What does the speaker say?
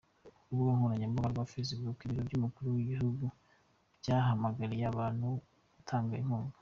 Ku rubuga nkoranyambaga rwa Facebook, ibiro by'umukuru w'igihugu byahamagariye abantu gutanga inkunga.